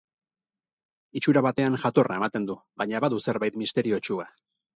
Itxura batean jatorra ematen du, baina badu zerbait misteriotsua.